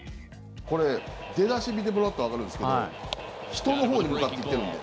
これ、出だし見てもらうとわかるんですけど人のほうに向かっていってるんで。